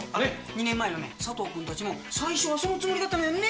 ２年前のね佐藤君たちも最初はそのつもりだったのよね。